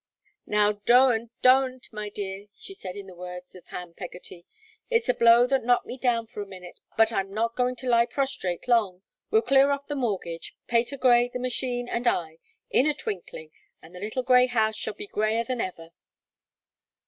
"Now, doen't, doen't, my dear," she said, in the words of Ham Pegotty. "It's a blow that knocked me down for a minute, but I'm not going to lie prostrate long. We'll clear off the mortgage Patergrey, the machine, and I in a twinkling, and the little grey house shall be Greyer than ever."